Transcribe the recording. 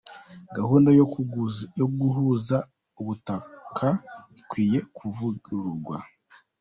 Gahunda yo guhuza ubutaka ikwiye kuvugururwa.